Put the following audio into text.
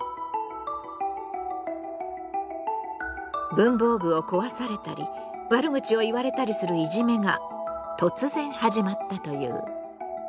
文房具を壊されたり悪口を言われたりするいじめが突然始まったという。